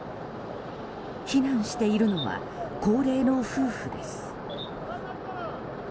避難しているのは高齢の夫婦です。